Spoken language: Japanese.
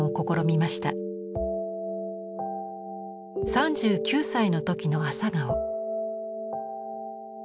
３９歳の時の朝顔。